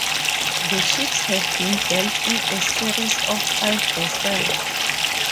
The ships have been built in a series of five vessels.